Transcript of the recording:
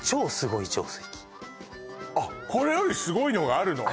あっこれよりすごいのがあるの？